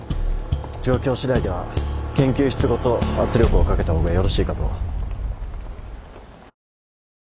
状況しだいでは研究室ごと圧力をかけた方がよろしいかと。